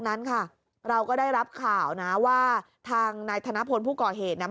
นั้นค่ะเราก็ได้รับข่าวนะว่าทางนายธนพลผู้ก่อเหตุนะ